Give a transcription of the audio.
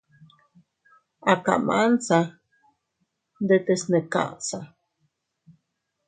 A kamansa ndetes ne kaʼsa.